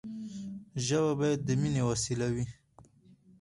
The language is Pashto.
ژبه باید د ميني وسیله وي.